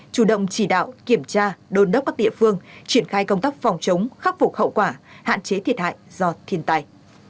chủ động chỉ đạo kiểm tra đôn đốc các địa phương triển khai công tác phòng chống khắc phục hậu quả hạn chế thiệt hại do thiên tai